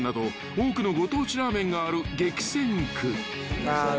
多くのご当地ラーメンがある激戦区］